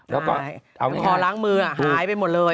แล้วก็เอาอย่างนี้ค่ะแอลกอฮอล์ล้างมือหายไปหมดเลย